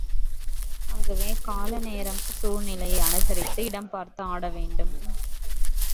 ஆகவே, கால நேரம் சூழ்நிலையை அனுசரித்து இடம் பார்த்து ஆட வேண்டும்.